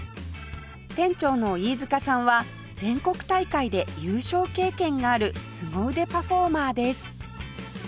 店長の飯塚さんは全国大会で優勝経験があるすご腕パフォーマーです